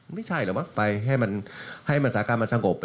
ไม่ใช่หรือว่ะให้สถากรรมมันสงบ